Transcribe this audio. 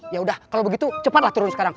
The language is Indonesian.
yaudah kalau begitu cepatlah turun sekarang